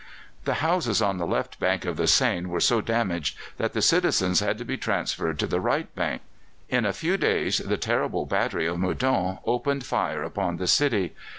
The houses on the left bank of the Seine were so damaged that the citizens had to be transferred to the right bank. In a few days the terrible battery of Meudon opened fire upon the city.